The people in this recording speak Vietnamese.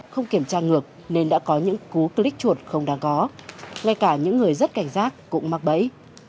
không kiểm tra ngược nên đã có những cú click chuột không đáng có ngay cả những người rất cảnh giác cũng mắc bẫy